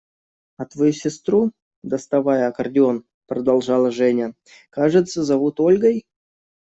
– «А твою сестру, – доставая аккордеон, продолжала Женя, – кажется, зовут Ольгой?»